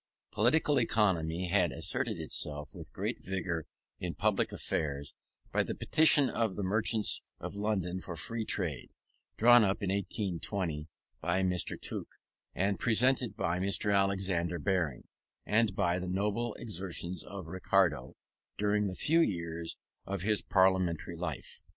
Political economy had asserted itself with great vigour in public affairs, by the petition of the merchants of London for free trade, drawn up in 1820 by Mr. Tooke and presented by Mr. Alexander Baring; and by the noble exertions of Ricardo during the few years of his parliamentary life.